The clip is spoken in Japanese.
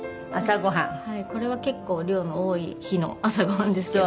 これは結構量の多い日の朝ごはんですけど。